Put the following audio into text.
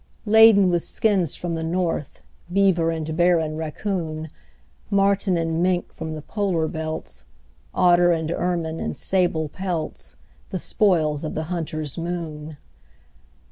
Laden with skins from the north, Beaver and bear and raccoon, Marten and mink from the polar belts, Otter and ermine and sable pelts The spoils of the hunter's moon.